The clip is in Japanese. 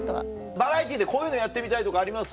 バラエティーでこういうのやってみたいとかあります？